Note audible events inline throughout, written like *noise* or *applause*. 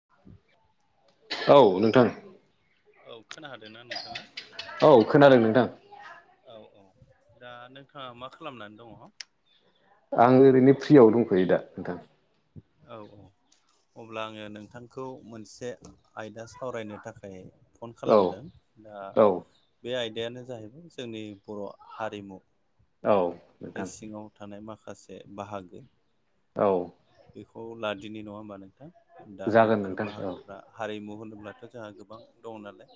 *inaudible* औ नोंथां औ खोनाहादोंना नोंथाङा औ खोनादों नोंथां औ औ दा नोंथाङा मा खालामनानै दङ आं ओरैनो फ्रियाव दंथयो दा नोंथां औ औ अब्ला आङो नोंथांखौ मोनसे आयदा सावरायनो थाखाय फन औ खालामदों ओ औ बे आयदायानो जाहैबाय जोंनि बर' हारिमु औ नि नोंथां सिङाव थानाय माखासे बाहागो औ बेखौ लादिनि नङा होमबा नोंथां दा जागोन बेफोर नोंथां औ बाहागोफ्रा हारिमु होनोब्लाथ' जोंहा गोबां दं नालाय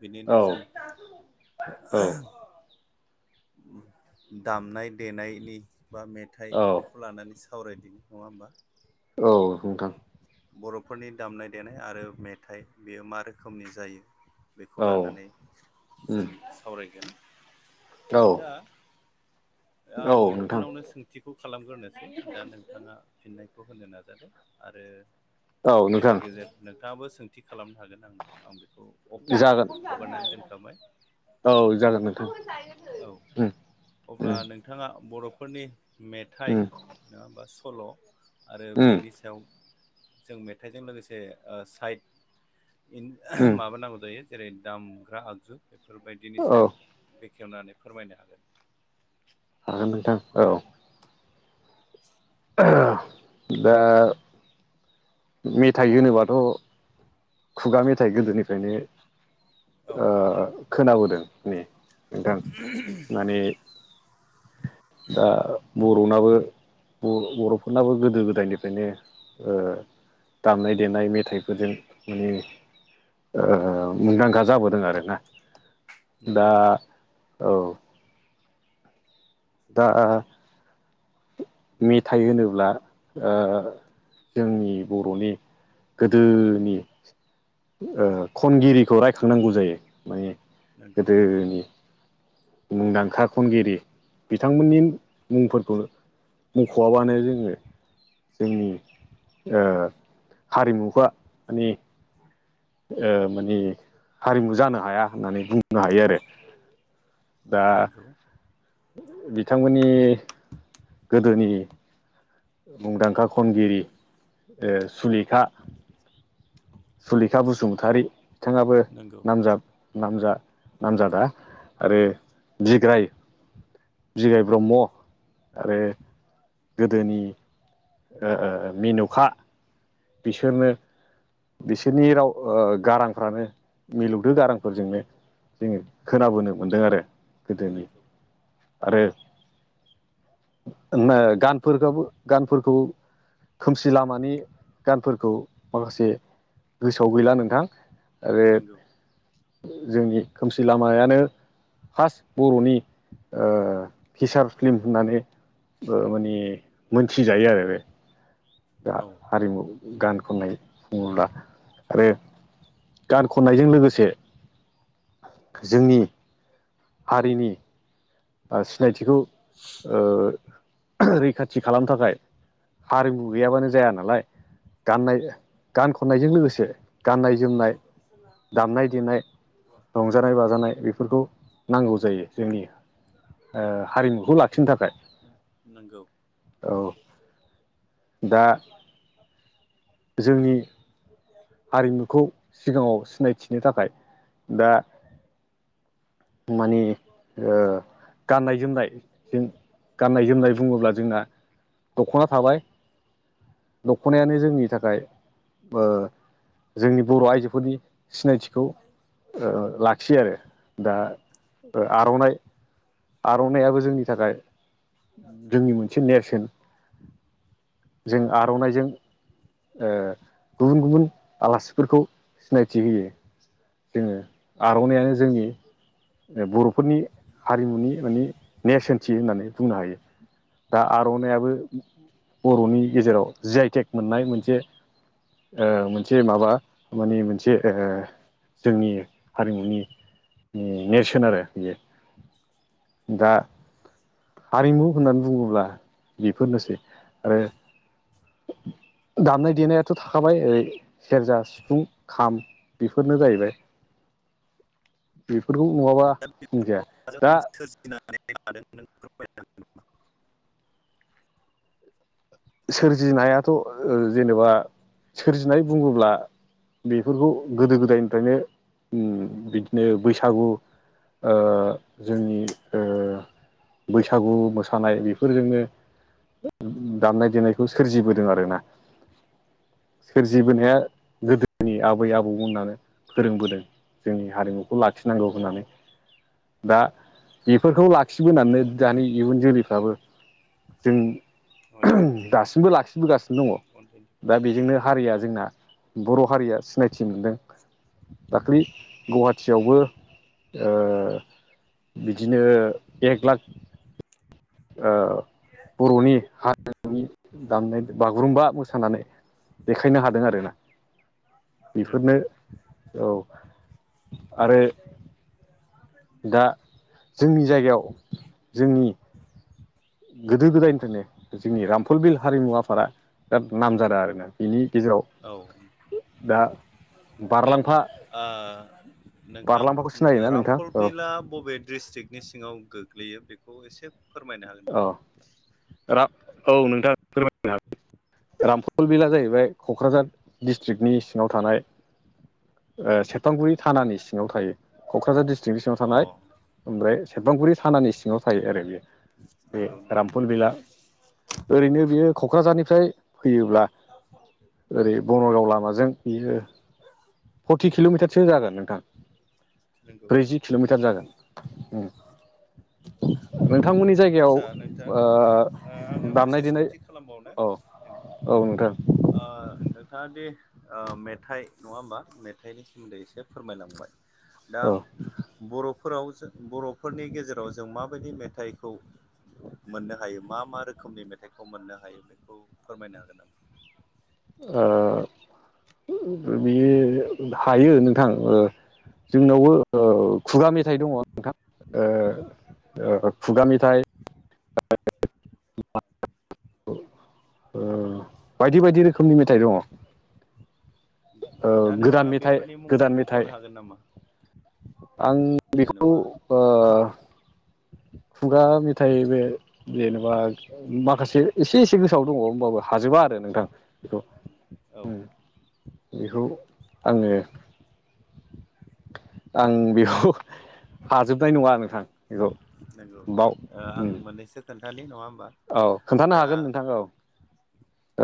बिदिनो औ जों औ *unintelligible* दामनाय देनायनि बा मेथाइ औ बेखौ खौ लानानै सावरायनि नङा होमबा औ नोंथां बर'फोरनि दामनाय देनाय आरो मेथाइ बेयो मा रोखोमनि जायो बेखौ औ लानानै उम जों सावरायगोन औ दा आं औ नोंथां नोंथांनावनो सों थिखौ खालामग्रोनोसै दा नोंथाङा फिननायखौ होनो नाजादों आरो औ नोंथां गेजेर गेजेर नोंथाङाबो सोंथि खालामनो हागोन आंनो आं बेखौ अपेन जागोन हगारनानै दोनखाबाय औ जागोन नोंथां औ उम अब्ला नोंथाङा बर'फोरनि मेथाइ उम नङाबा सल' आरो उम बेनि उम सायाव जों मेथाइजों लोगोसे ओ साइड इन उम माबानांगौ जायो जेरै दामग्रा आगजु बेफोरबायदिनि औ सायाव बेखेवनानै फोरमायनो हागोन हागोन नोंथां औ *inaudible* *unintelligible* दा मेथाइ होनोबाथ' खुगा मेथाइ गोदोनिफ्रायनो औ ओ खोनाबोदों नै नोंथां माने दा बर'नाबो बर' बर'फोरनाबो गोदो गोदायनिफ्रायनो ओ दामनाय देनाय मेथाइफोरजों माने ओ मुंदांखा जाबोदों आरोना दा नंगौ औ दा ओ मेथाइ होनोब्ला ओ जोंनि बर'नि गोदोनि ओ खनगिरिखौ रायखांनांगौ जायो माने नंगौ गोदोनि मुंदांखा खनगिरि बिथांमोननि मुंफोरखौ मुख'आबानो जोङो जोंनि ओ हारिमुफा् माने ओ माने हारिमु जानो हाया होननानै बुंनो हायो आरो दा नंगौ बिथांमोननि गोदोनि मुंदांखा खनगिरि ओ सुलेखा सुलिखा बसुमतारि बिथाङाबो नंगौ नामजाब नामजा नामजादा आरो बिग्राय बिगाय ब्रह्म आरो गोदोनि मिेनुखा बिसोरनो बिसोरनि राव गारांफ्रानो मिलौदो गारांफोरजोंनो जोङो खोनाबोनो मोनदों आरो गोदोनि नंगौ आरो ओ गानफोरखौ गानफोरखौ खोमसि लामानि गानफोरखौ माखासे गोसोआव गैला नोंथां आरो नंगौ जोंनि खोमसि लामायानो फार्स्ट बर'नि ओ फिसार फिल्म होननानै माने मोनथिजायो आरो दा औ हारिमु गान खननाय बुङोब्ला आरो गान खननायजों लोगोसे जोंनि हारिनि ब सिनायथिखौ *inaudible* रैखाथि खालामनो थाखाय हारिमु गैयाबानो जाया नालाय गाननाय गान खननायजों लोगोसे गाननाय जोमनाय दामनाय देनाय रंजानाय बाजानाय बेफोरखौ नांगौ जायो जोंनि हारिमुखौ लाखिनो थाखाय नोंगौ औ दा जोंनि हारिमुखौ सिगाङाव सिनायथिनो थाखाय दा मानिे गाननाय जोमनाय जम गाननाय जोमनाय बुङोब्ला जोंना दख'ना थाबाय दख'नायानो जोंनि थाखाय जोंनि बर' आइजोफोरनि सिनायथिखौ लाखियो आरो दा आर'नाइ आर'नायइाबो जोंनि थाखाय जोंनि मोनसे नेेरसन जों आर'नाइजों गुबुन गुबुन आलासिफोरखौ सिनायथि होयो जोङो आर'नायइानो जोंनि बर'फोरनि हारिमुनि माने नेरसोनथि होननानै बुंनो हायो दा आर'नायइाबो बर'नि गेजेराव जि आइटेक मोननाय मोनसे मोनसे माबा मानिे मोनसे जोंनि हारिमुनि नेरसोन आरो बियो दा हारिमु होननानै बुङोब्ला बेफोरनोसै आरो *inaudible* दामनाय देनायाथ' थाखाबाय ओरै सेरजा सिफुं खाम बेफोरनो जाहैबाय *inaudible* बेफोरखौ नङाबा बुंजाया दा नानै थ नों हागोन नामा? सोरजिनायाथ' जेनेबा सोरजिनाय बुङोब्ला बेफोरखौ गोदो गोदायनिफ्रायनो बिदिनो बैसागु जोंनि बैसागु मोसानाय बेफोरजोंनो दामनाय देनायखौ सोरजिबोदों आरोना सोरजिबोनाया गोदोनि आबै आबौ होननानै फोरोंबोदों जोंनि हारिमुखौ लाखिनांगौ होननानै दा बेफोरखौ लाखिबोनानै दानि इयुन जोलैफ्राबो जों दासिमबो लाखिबोगासिनो दङ दा बेजोंनो हारिया जोंना बर' हारिया सिनायथि मोनदों दाख्लै गुवाहाटियावबो ओ बिदिनो एक लाख बर'नि हारिमुनि दामनाय बागुरुम्बा मोसानानै देखायनो हादों आरोना नंगौ बेफोरनो औ आरो *unintelligible* दा जोंनि जायगायाव जोंनि गोदो गोदायनिफ्रायनो जोंनि रामफलबिल हारिमु आफादा दाब नामजादा आरोना बिनि गेजेराव औ दा बारलाम ओ नोंथां बारलांफाखौ सिनायोना ओ नोंथां औ रामपलबिला बबे डिस्ट्रिकनि सिङाव गोग्लैयो बेखौ एसे फोरमायनो हागोन नामा? रा औ नोंथाङा फोरमायनो हागोन रामफल बिलाआ जाहैबाय क'क्राझार डिस्ट्रिक्नि सिङाव थानाय ओ सेरफांगुरि औ थानानि सिङाव थायो क'क्राझार डिस्ट्रिक्नि सिङाव अ थानाय ओमफ्राय सेरफांगुरि थानानि सिङाव थायो आरो बेयो। बे नंगौ नंगौ रामफल बिला ओरैनो बेयो क'क्राझारनिफ्राय फैयोब्ला ओरै बनाइगाव लामाजों बियो फर्टि किल'मिटारसो जागोन नोंथां। नंगौ ब्रैजि किल'मिटार जागोन उम नोंथांमोन आदसा नोंथां ओ आङो दामनाय मोनसे देनाय सोंथि खालामबावनो औ नोंथां औ नोंथां ओ नोंथाङा दे ओ मेथाइ नङा होमबा मेथाइनि सोमोन्दै एसे फोरमायलांबाय दा औ बर'फोराव ज बर'फोरनि गेजेराव जों माबायदि मेथाइ खौ मोननो हायो मा मा रोखोमनि मेथाइखौ मोननो हायो बेखौ फोरमायनो हागोन नामा? ओ बियो हायो नोंथां ओ जोंनावबो ओ खुगा मेथाइ दङ' नोंथां ओ औ ओ खुगा मेथाइ *unintelligible* ओ बायदि बायदि रोखोमनि मेथाइ दङ'। ओ दा गोदान नोंथाङा मेथाइ बेफोरनि मुंखौ गोदान मेथाइ मख'नो हागोन नामा आं जेनबा बा खुगा मेथाइ बे जेनेबा माखासे एसे एसे गोसोआव दङ' होमबाबो हाजोबा आरो नोंथां बेखौ औ बेखौ आङो आं बेखौ हाजोबनाय नङा नोंथां बेखौ नंगौ बाव ओ आं उम मोननैसो खोन्थानाय नङा होमबा? औ खोन्थानो दा हागोन नोंथां औ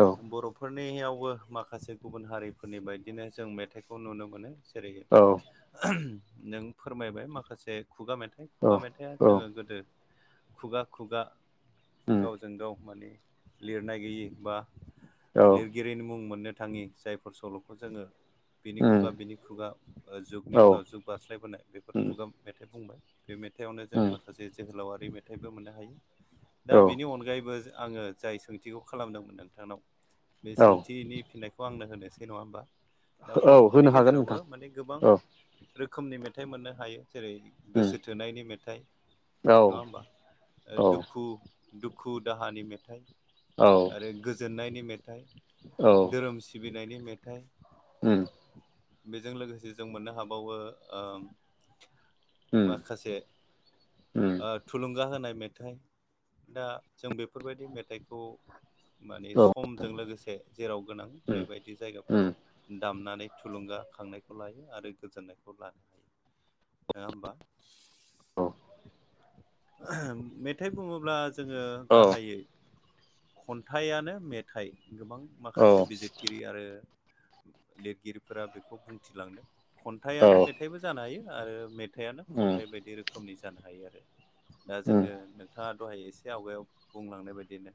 औ बर' फोरनियावबो माखासे गुबुन हारिफोरनि बायदिनो जों मेथाइखौ नुनो मोनो। जेरै औ नों फोरमायबाय माखासे खुगा मेथाइ औ खुगा मेथाइआ औ जोङो गोदो खुगा खुगा उम गावजों गाव माने लिरनाय गैयि बा औ लिरगिरिनि मुं मोननो थाङि जायफोर सल'खौ जोङो बिनि खुगा उम बिनि खुगा जुगनि औ उनाव जुग बारास्लायबोनाय बेफोर उम खुगा मेथाइ बुंबाय। बे मेथाइआवनो जोङो उम माखासे जोहोलावारि मेथाइबो मोननो हायो दा औ बेनि अनगायैबो आङो जाय सोंथिखौ खालामदोंमोन नोंथांनाव बे औ सोंथिनि फिननायखौ आंनो होनोसै नङा होमबा? दा औ बर'फोरनि होनो हागोन गेजेरावबो नोंथां माने गोबां औ रोखोमनि मेथाइ मोननो हायो जेरै उम गोसो थोनायनि मेथाइ औ नङा होमबा ओ औ दुखु दुखु दाहानि मेथाइ औ आरो गोजोननायनि मेथाइ, औ धोरोम सिबिनायनि मेथाइ उम। बेजों लोगोसे जों मोननो हाबावो ओ उम माखासे उम ओ थुलुंगा होनाय मेथाइ दा जों बेफोरबायदि मेथाइखौ माने औ समजों लोगोसे जेराव गोनां उम बेबायदि उम जायगाफोराव दामनानै थुलुंगाखांनायखौ लायो आरो गोजोननायखौ लानो हायो नङा होमबा? औ। मेथाइ बुङोब्ला जोङो औ गाहायै खन्थाइआनो मेथाइ गोबां औ माखासे उम बिजिरगि गिरि आरो लिरगिरिफोरा बेखौ बुंथिलांनो खन्थाइआनो मे उम औ उम मेथाइबो जानो हायो आरो मेथाइआानो उम खन्थाइ बायदि रोखोमनि जानो हायो आरो। दा जोङो नोंथाङा दहाय एसे आवगायाव बुंलांनाय बायदिनो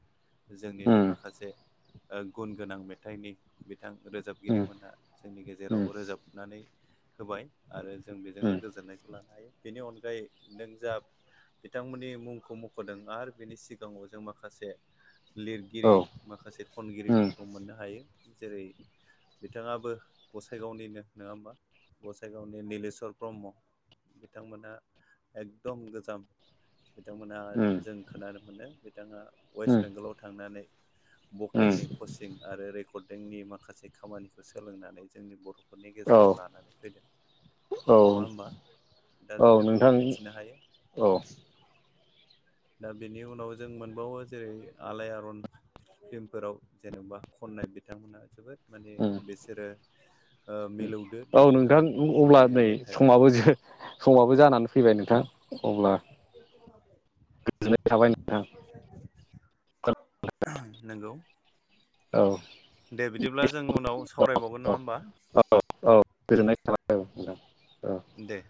जोंनिनो माखासे ओ गुन गोनां मे थाइनि बिथां रोजाबगिरिमोनहा जोंनि गेजेराव रोजाबनानै होबाय। आरो जों बेजोंनो गोजोननायखौ लानो हायो बेनि अनगायै नों जा बिथांमोननि मुंखौ मख'दों आरो बिनि सिगाङाव जों माखासे लिरगिरि माखासे खनगिरिफोरखौ मोननो हायो जेरै बिथाङाबो गसाइगावनिनो नङा होमबा गसाइगावनि निलेशवर ब्रह्म। बिथांमोना एकदम गोजाम बिथांमोनहा जों खोनानो मोनो बिथाङा वेस्ट बेंगलाव थांनानै भकेलनि कचिं आरो रेकर्डंडिंनि माखासे खामानिखौ सोलोंनानै जोंनि बर' फोरनि गेजेराव औ लानानै फैदों औ नङा होमबा दा औ जों बेफोरखौ नोंथां मि औ। दा बेनि उनाव जों मोनबावो जेरै आलायारन फिल्मफोराव जेनेबा खननाय बिथांमोना जोबोद माने उम बिसोरो ओ मिलौदो औ देंखो नोंथां गोनां अब्ला माने नै मेथाइ समाबो समाबो जानानै फैबाय नोंथां। अब्ला गोजोननाय थाबाय नोंथां। *inaudible* नंगौ। औ। दे बिदिब्ला जों उनाव सावरायबावगोन औ नङा होमबा? औ औ गोजोननाय थाबाय। औ नोंथां औ दे।